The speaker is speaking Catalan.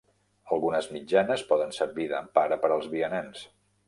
Algunes mitjanes poden servir d'empara per als vianants.